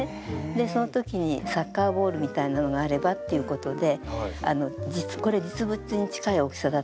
そのときにサッカーボールみたいなのがあればっていうことでこれ実物に近い大きさだったと思うんですけど